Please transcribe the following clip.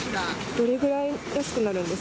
どれぐらい安くなるんです？